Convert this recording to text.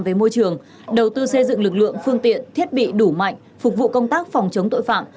về môi trường đầu tư xây dựng lực lượng phương tiện thiết bị đủ mạnh phục vụ công tác phòng chống tội phạm